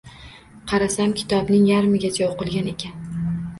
Qarasam, kitobning yarmigacha o‘qilgan ekan.